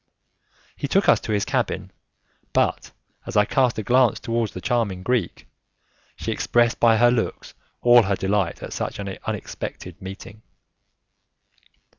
He took us to his cabin, but as I cast a glance towards the charming Greek, she expressed by her looks all her delight at such an unexpected meeting.